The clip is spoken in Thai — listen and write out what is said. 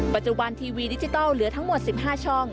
ปัจจุบันทีวีดิจิทัลเหลือทั้งหมด๑๕ช่อง